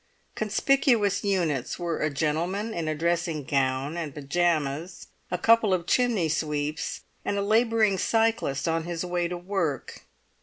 Conspicuous units were a gentleman in dressing gown and pyjamas, a couple of chimneysweeps, and a labouring cyclist on his way to work.